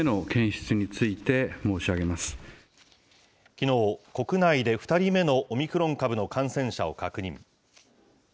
きのう、国内で２人目のオミクロン株の感染者を確認。